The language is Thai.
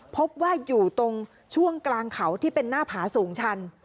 พบว่าอยู่ตรงช่วงกลางเขาที่เป็นหน้าผาสูงชัน